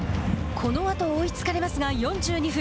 このあと、追いつかれますが４２分。